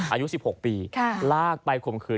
อายุ๑๖ปีลากไปข่มขืน